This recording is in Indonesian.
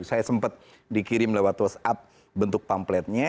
saya sempat dikirim lewat whatsapp bentuk pampletnya